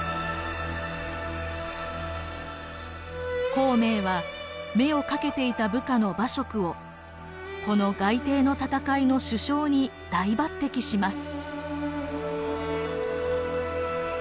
孔明は目をかけていた部下の馬謖をこの街亭の戦いの主将に大抜てきします。